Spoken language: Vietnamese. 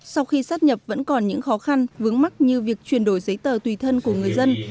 sau khi sát nhập vẫn còn những khó khăn vướng mắt như việc chuyển đổi giấy tờ tùy thân của người dân